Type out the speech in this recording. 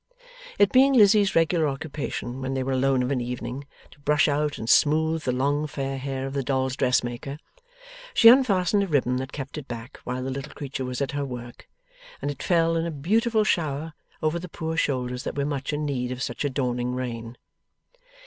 It being Lizzie's regular occupation when they were alone of an evening to brush out and smooth the long fair hair of the dolls' dressmaker, she unfastened a ribbon that kept it back while the little creature was at her work, and it fell in a beautiful shower over the poor shoulders that were much in need of such adorning rain.